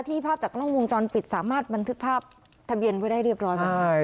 ที่ภาพจากล่องวงจรปิดสามารถมันถือภาพถับเยินไว้ได้เรียบร้อย